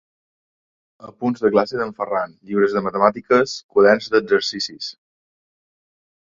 Apunts de classe del Ferran, llibres de matemàtiques, quaderns d'exercicis.